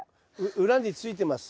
裏についてます。